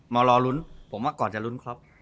มารอลุ้นผมว่าก่อนจะลุ้นครับ